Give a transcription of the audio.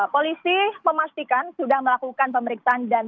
polisi memastikan sudah melakukan pemeriksaan